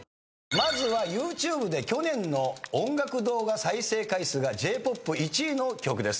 まずはＹｏｕＴｕｂｅで去年の音楽動画再生回数がＪ−ＰＯＰ１位の曲です。